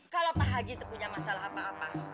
kalau pak haji itu punya masalah apa apa